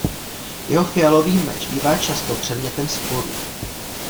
Jeho fialový meč bývá často předmětem sporů.